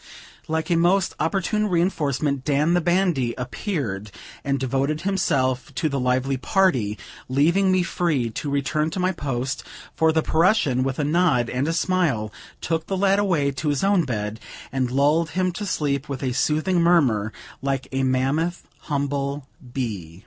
Like a most opportune reinforcement, Dan, the bandy, appeared, and devoted himself to the lively party, leaving me free to return to my post; for the Prussian, with a nod and a smile, took the lad away to his own bed, and lulled him to sleep with a soothing murmur, like a mammoth humble bee.